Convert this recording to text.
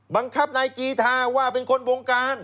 บังคับนายกีธาว่าเป็นคนวงการ